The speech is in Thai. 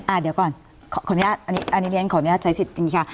เดี๋ยวก่อนขออนุญาตอันนี้เรียนขออนุญาตใช้สิทธิ์อย่างนี้ค่ะ